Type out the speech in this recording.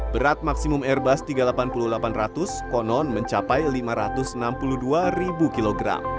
berat maksimum airbus tiga ratus delapan puluh delapan ratus konon mencapai lima ratus enam puluh dua kg